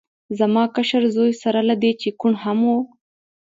زما کشر زوی سره له دې چې کوڼ هم و